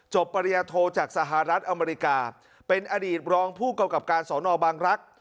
จบปริโธคจากสหรัฐอเมริกาเป็นอดีตรองผู้เก่ากับการศรนบางรักษ์